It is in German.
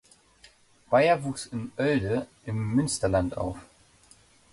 Beier wuchs in Oelde im Münsterland auf.